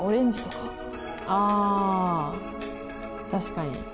あ確かに。